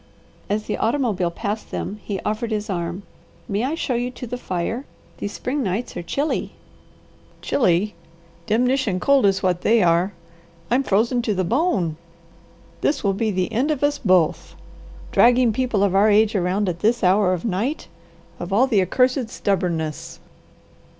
As the automobile passed them he offered his arm. "May I show you to the fire? These spring nights are chilly." "'Chilly!' Demnition cold is what they are! I'm frozen to the bone! This will be the end of us both! Dragging people of our age around at this hour of night. Of all the accursed stubbornness!"